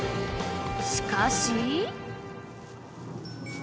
［しかし］